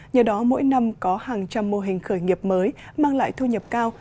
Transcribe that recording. nhờ đó mỗi năm có hàng trăm mô hình khởi nghiệp mới mang lại thu nhập cao